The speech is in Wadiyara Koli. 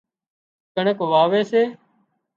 ڪڻڪ واوي سي